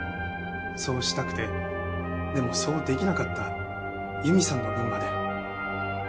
そうしたくてでもそうできなかった佑美さんの分まで。